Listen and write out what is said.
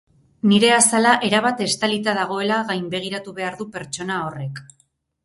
Nire azala erabat estalita dagoela gainbegiratu behar du pertsona horrek.